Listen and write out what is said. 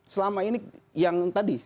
selama ini yang tadi